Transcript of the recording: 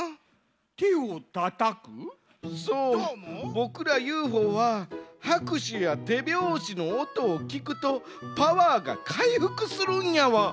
ボクらＵＦＯははくしゅやてびょうしのおとをきくとパワーがかいふくするんやわ。